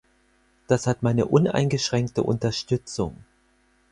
Das hat meine uneingeschränkte Unterstützung.